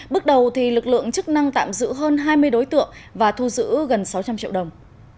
bước đầu lực lượng chức năng tạm giữ hơn hai mươi đối tượng và thu giữ gần sáu trăm linh triệu đồng